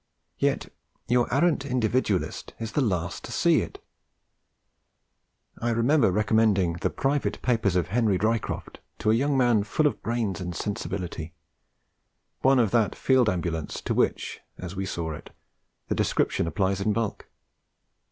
Yet your arrant individualist is the last to see it. I remember recommending The Private Papers of Henry Ryecroft to a young man full of brains and sensibility one of that Field Ambulance to which, as we saw it, the description applies in bulk.